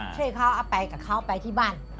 ช่วยเขาเอาไปกับเขาไปที่บ้าน